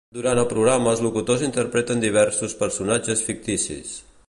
Durant el programa els locutors interpreten diversos personatges ficticis.